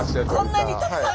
こんなにたくさん！